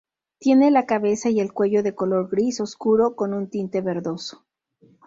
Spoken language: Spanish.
Tiene la cabeza y el cuello de color gris oscuro con un tinte verdoso.